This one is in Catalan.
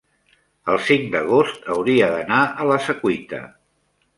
el cinc d'agost hauria d'anar a la Secuita.